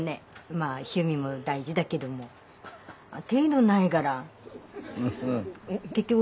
まあ趣味も大事だけども程度ないから。